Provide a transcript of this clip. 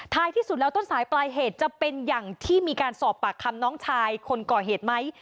ที่สุดแล้วต้นสายปลายเหตุจะเป็นอย่างที่มีการสอบปากคำน้องชายคนก่อเหตุไหม